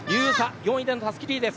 ４位でのたすきリレーです。